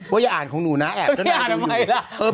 ว่าอย่าอ่านของหนูนะแอบเจ้านายดูอยู่